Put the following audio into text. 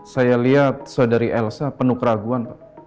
saya lihat saudari elsa penuh keraguan pak